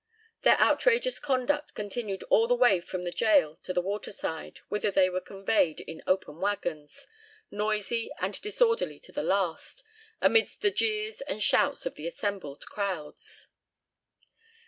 Their outrageous conduct continued all the way from the gaol to the water side, whither they were conveyed in open waggons, noisy and disorderly to the last, amidst the jeers and shouts of the assembled crowds.